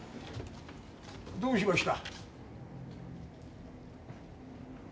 どうしました？